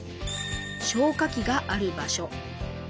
消火器がある場所。